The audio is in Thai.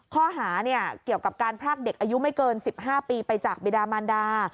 ข้อหาเกี่ยวกับการพรากเด็กอายุไม่เกิน๑๕ปีไปจากบิดามันดา